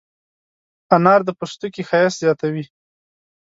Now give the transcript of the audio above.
انار د پوستکي ښایست زیاتوي.